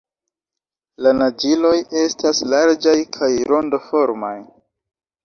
La naĝiloj estas larĝaj kaj rondoformaj.